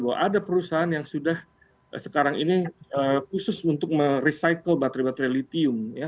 bahwa ada perusahaan yang sudah sekarang ini khusus untuk merecycle baterai baterai litium